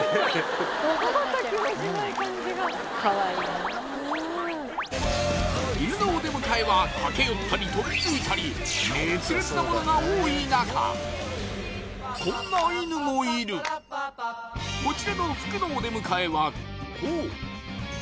感じがカワイイな犬のお出迎えは駆け寄ったり飛びついたり熱烈なものが多い中いるこちらの福来のお出迎えはこう